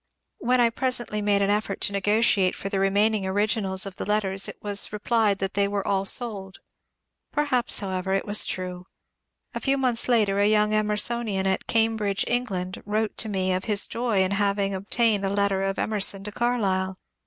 When I presently made an effort to negotiate for the remain ing originals of the letters, it was replied that they were all sold. Perhaps, however, it was true. A few months later a young Emersonian at Cambridge (England) wrote to me of his joy in having obtained a letter of Emerson to Carlyle.